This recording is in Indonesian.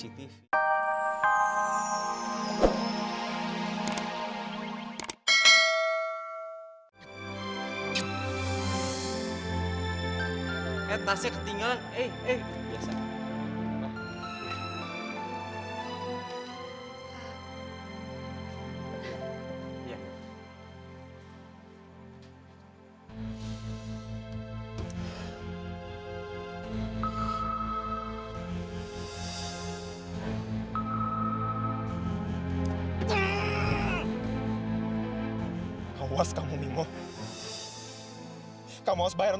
eh tasnya ketinggalan